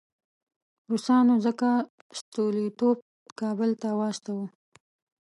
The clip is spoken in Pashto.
روسانو ځکه ستولیتوف کابل ته واستاوه.